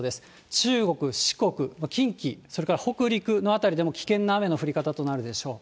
中国、四国、近畿、それから北陸の辺りでも危険な雨の降り方となるでしょう。